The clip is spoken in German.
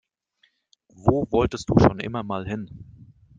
Wo wolltest du schon immer mal hin?